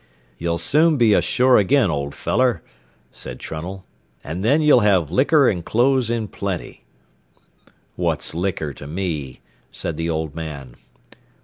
"Ye'll soon be ashore agin, old feller," said Trunnell, "an' then ye'll have licker an' clothes in plenty." "What's licker to me?" said the old man.